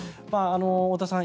太田さん